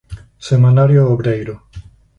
Semanario obreiro.